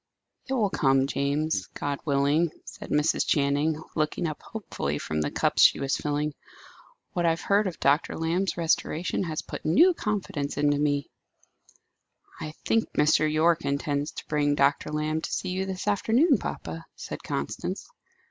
"It will come, James; God willing," said Mrs. Channing, looking up hopefully from the cups she was filling. "What I have heard of Dr. Lamb's restoration has put new confidence into me." "I think Mr. Yorke intends to bring Dr. Lamb to see you this afternoon, papa," said Constance.